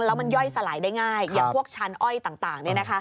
แล้วมันย่อยสลายได้ง่ายอย่างพวกชานอ้อยต่าง